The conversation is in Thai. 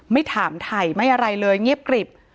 ไม่ถามถ่ายไม่อะไรเลยเงียบกริบ